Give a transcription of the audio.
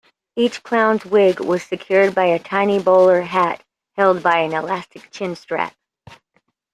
Each clown's wig was secured by a tiny bowler hat held by an elastic chin-strap.